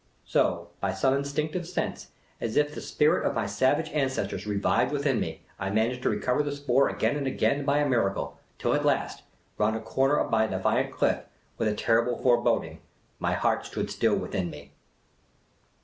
So, by some instinctive sense, as if the spirit of my savage ancestors reviv^ed within me, I managed to recover the spoor again and again by a miracle, till at last, round a corner by a defiant cliff — with a terrible foreboding, my heart stood still within me.